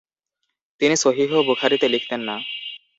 তিনি সহীহ বুখারীতে লিখতেন না।